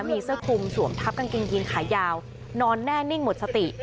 มีเสื้อคลุมสวมทับกางเกงยีนขายาวนอนแน่นิ่งหมดสติ